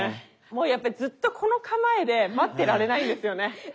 もうやっぱりずっとこの構えで待ってられないんですよね。